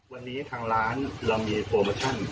วันนี้ทางร้านเรามีโปรโมชั่น